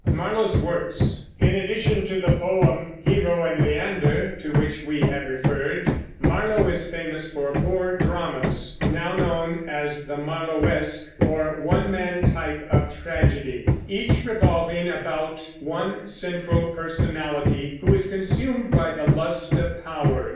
MARLOWE'S WORKS. In addition to the poem "Hero and Leander," to which we have referred, Marlowe is famous for four dramas, now known as the Marlowesque or one man type of tragedy, each revolving about one central personality who is consumed by the lust of power.